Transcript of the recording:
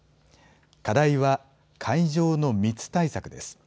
課題は会場の密対策です。